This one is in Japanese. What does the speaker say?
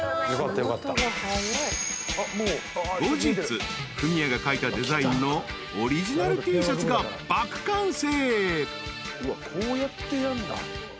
［後日フミヤが描いたデザインのオリジナルＴシャツが爆完成］